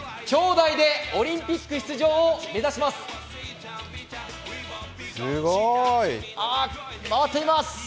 兄弟でオリンピック出場を目指します。